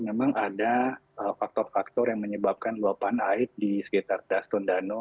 memang ada faktor faktor yang menyebabkan luapan air di sekitar dastondano